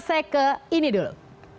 saya ke ini dulu